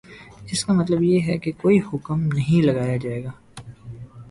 اس کا مطلب یہ ہے کہ کوئی حکم نہیں لگایا جائے گا